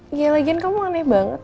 iya lagiin kamu aneh banget